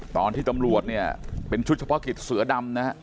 ตอนที่ตำรวจเนี่ยเป็นชุดเฉพาะกิจเสือดำนะฮะ